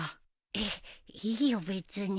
えいいよ別に。